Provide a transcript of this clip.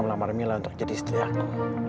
melamar mila untuk jadi istri aku